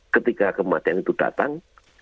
ketika kematian itu datang